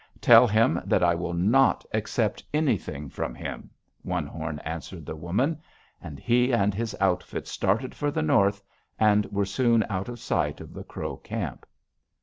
"'Tell him that I will not accept anything from him,' One Horn answered the woman. And he and his outfit started for the north and were soon out of sight of the Crow camp.